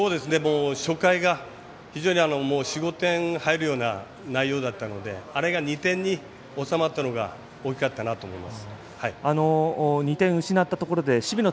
初回が非常に４５点入るような内容だったのであれが２点に収まったのが大きかったなと思います。